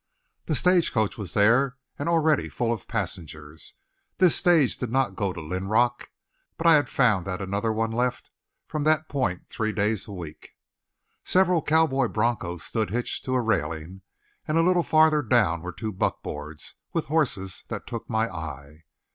The stage coach was there and already full of passengers. This stage did not go to Linrock, but I had found that another one left for that point three days a week. Several cowboy broncos stood hitched to a railing and a little farther down were two buckboards, with horses that took my eye.